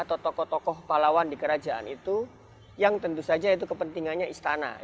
atau tokoh tokoh pahlawan di kerajaan itu yang tentu saja itu kepentingannya istana